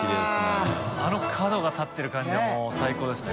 あの角が立ってる感じはもう最高ですね。